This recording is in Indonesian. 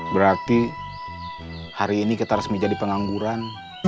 berarti hari ini kita resmi jadi pengangguran